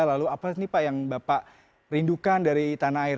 lalu apa nih pak yang bapak rindukan dari tanah air